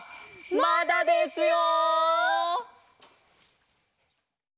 まだですよ！